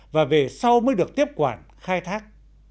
và về sau mới được tiếp quản khai thác